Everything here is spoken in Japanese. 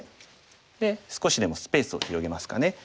で少しでもスペースを広げますかね。